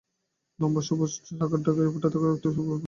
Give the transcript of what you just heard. লম্বা সবুজ শাখার ডগায় ফুটে থাকা একটি শুভ্র ফুল তার ওপর রাখা।